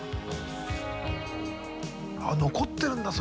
あっ残ってるんだ